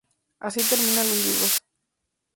Así terminan los libros.